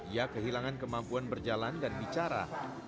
ia kehilangan kemampuan berjalan dan bicara